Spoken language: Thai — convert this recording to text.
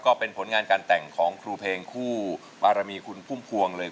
ก็เป็นผลงานการแต่งของครูเพลงคู่บารมีคุณพุ่มพวงเลย